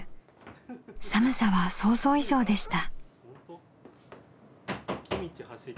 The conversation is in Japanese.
寒さは想像以上でした。